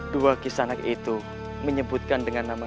dua kisanak itu menyebutkan dengan nama